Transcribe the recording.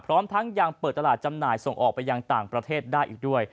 พร้อมทั้งยังเปิดตลาดจำหน่ายส่งออกไปยังต่างประเทศได้อีกด้วย